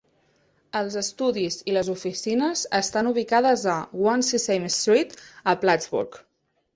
Els estudis i les oficines estan ubicades a One Sesame Street a Plattsburgh.